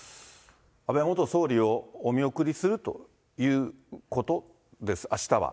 安倍元総理をお見送りするということです、あしたは。